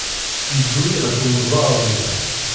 Yedduri ɣef unẓar-nni.